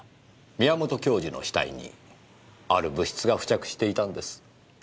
宮本教授の死体にある物質が付着していたんです。